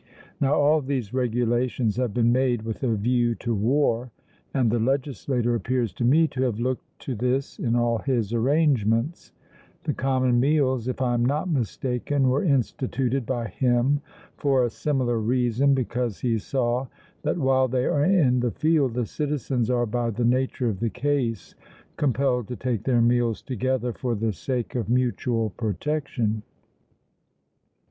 Now all these regulations have been made with a view to war, and the legislator appears to me to have looked to this in all his arrangements: the common meals, if I am not mistaken, were instituted by him for a similar reason, because he saw that while they are in the field the citizens are by the nature of the case compelled to take their meals together for the sake of mutual protection.